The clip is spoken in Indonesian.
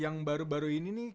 yang baru baru ini nih